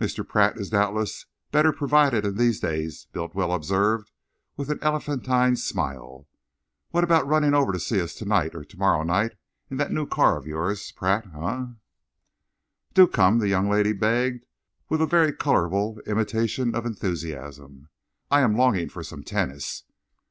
"Mr. Pratt is doubtless better provided in these days," Bultiwell observed with an elephantine smile. "What about running over to see us to night or to morrow night in that new car of yours, Pratt, eh?" "Do come," the young lady begged, with a very colourable imitation of enthusiasm. "I am longing for some tennis."